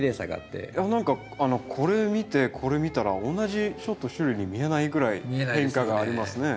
いや何かこれ見てこれ見たら同じ種類に見えないぐらい変化がありますね。